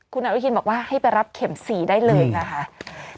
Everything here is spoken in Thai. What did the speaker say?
คุณอนุทินบอกว่าให้ไปรับเข็ม๔ได้เลยนะคะ